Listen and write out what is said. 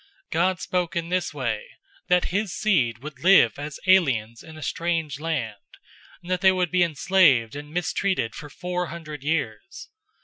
007:006 God spoke in this way: that his seed would live as aliens in a strange land, and that they would be enslaved and mistreated for four hundred years.